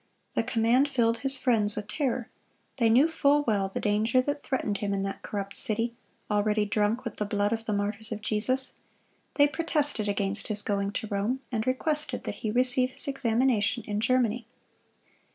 The command filled his friends with terror. They knew full well the danger that threatened him in that corrupt city, already drunk with the blood of the martyrs of Jesus. They protested against his going to Rome, and requested that he receive his examination in Germany.